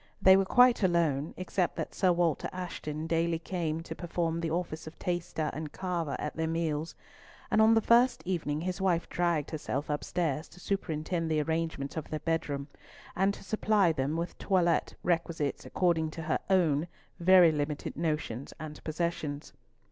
They were quite alone; except that Sir Walter Ashton daily came to perform the office of taster and carver at their meals, and on the first evening his wife dragged herself upstairs to superintend the arrangement of their bedroom, and to supply them with toilette requisites according to her own very limited notions and possessions.